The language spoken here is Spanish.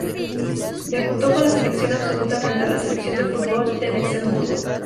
Debutó con la selección absoluta frente a la selección de fútbol de Luxemburgo.